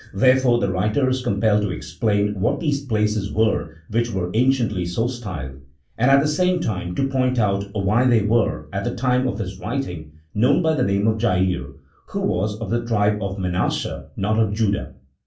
There fore the writer is compelled to explain what these places were which were anciently so styled, and at the same time to point out why they were at the time of his writing known by the name of Jair, who was of the tribe of Manasseh, not of Judah.